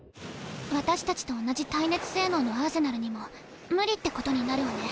私たちと同じ耐熱性能のアーセナルにも無理ってことになるわね。